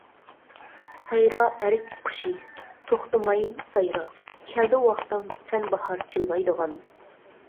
سايرا ئەرك قۇشى، توختىماي سايرا، كەلدى ۋاقتىڭ سەن باھار چىلايدىغان!